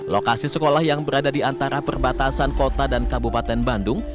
lokasi sekolah yang berada di antara perbatasan kota dan kabupaten bandung